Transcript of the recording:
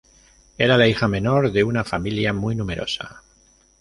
Era la hija menor de una familia muy numerosa.